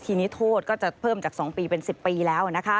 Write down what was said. ทีนี้โทษก็จะเพิ่มจาก๒ปีเป็น๑๐ปีแล้วนะคะ